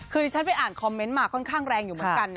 คือดิฉันไปอ่านคอมเมนต์มาค่อนข้างแรงอยู่เหมือนกันนะ